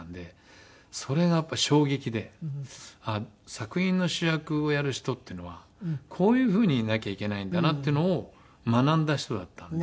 作品の主役をやる人っていうのはこういうふうにいなきゃいけないんだなっていうのを学んだ人だったんで。